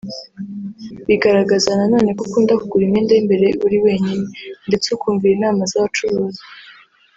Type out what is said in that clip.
Bigaragaza na none ko ukunda kugura imyenda y’imbere uri wenyine ndetse ukumvira inama z’abacuruzi